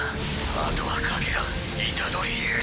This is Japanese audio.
あとは賭けだ虎杖悠仁！